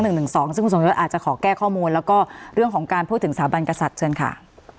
ซึ่งคุณสมยศอาจจะขอแก้ข้อมูลแล้วก็เรื่องของการพูดถึงสถาบันกษัตริย์เชิญค่ะ